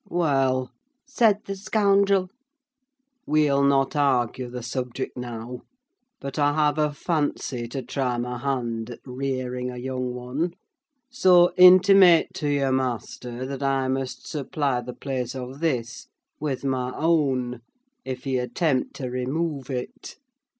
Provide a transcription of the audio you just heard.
"Well," said the scoundrel, "we'll not argue the subject now: but I have a fancy to try my hand at rearing a young one; so intimate to your master that I must supply the place of this with my own, if he attempt to remove it.